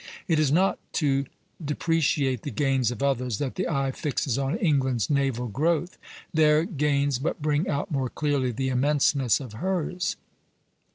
It is not to depreciate the gains of others that the eye fixes on England's naval growth; their gains but bring out more clearly the immenseness of hers.